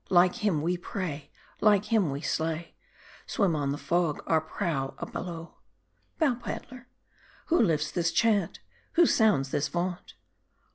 Like him we prey ; Like him we slay; Swim on the foe, Our prow a blow !. (Bow Paddhr.) Who lifts this chant ? Who sounds this vaunt?